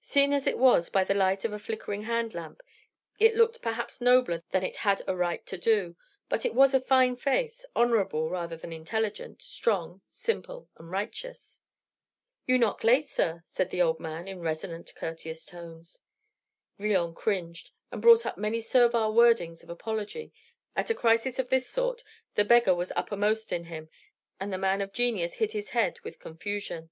Seen as it was by the light of a flickering hand lamp, it looked perhaps nobler than it had a right to do; but it was a fine face, honorable rather than intelligent, strong, simple, and righteous. "You knock late, sir," said the old man in resonant, courteous tones. Villon cringed, and brought up many servile words of apology; at a crisis of this sort, the beggar was uppermost in him, and the man of genius hid his head with confusion.